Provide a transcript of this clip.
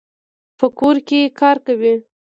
په کور کي کار کوي.